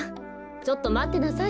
ちょっとまってなさい。